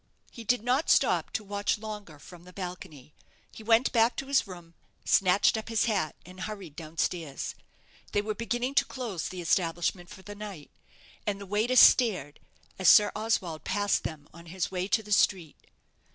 He did not stop to watch, longer from the balcony. He went back to his room, snatched up his hat, and hurried down stairs. They were beginning to close the establishment for the night, and the waiters stared as Sir Oswald passed them on his way to the street.